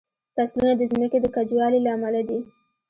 فصلونه د ځمکې د کجوالي له امله دي.